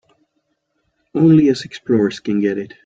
Only us explorers can get it.